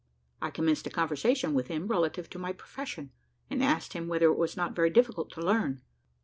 I commenced a conversation with him relative to my profession, and asked him whether it was not very difficult to learn.